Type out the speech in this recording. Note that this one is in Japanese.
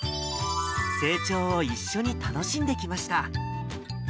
成長を一緒に楽しんできました。